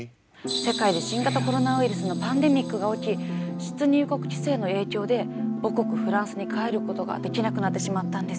世界で新型コロナウイルスのパンデミックが起き出入国規制の影響で母国フランスに帰ることができなくなってしまったんです。